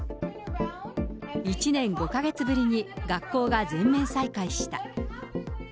１年５か月ぶりに学校が全面再開した。